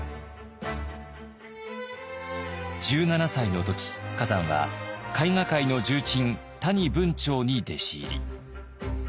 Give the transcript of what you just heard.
１７歳の時崋山は絵画界の重鎮谷文晁に弟子入り。